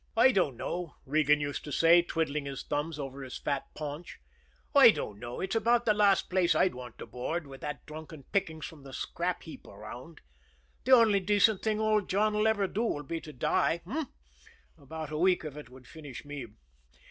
"I dunno," Regan used to say, twiddling his thumbs over his fat paunch, "I dunno; it's about the last place I'd want to board, with that drunken pickings from the scrap heap around. The only decent thing old John 'll ever do will be to die h'm? About a week of it would finish me.